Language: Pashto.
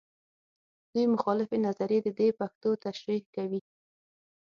دوې مخالفې نظریې د دې پېښو تشریح کوي.